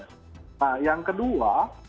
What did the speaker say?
nah yang kedua